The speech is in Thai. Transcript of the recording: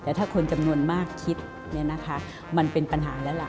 แต่ถ้าคนจำนวนมากคิดมันเป็นปัญหาแล้วล่ะ